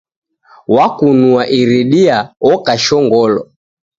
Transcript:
Wakunua irindia, oka shongolo.